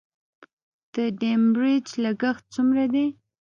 د ډیمریج لګښت څومره دی؟